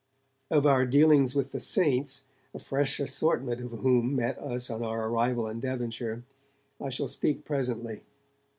Of our dealings with the 'Saints', a fresh assortment of whom met us on our arrival in Devonshire, I shall speak presently.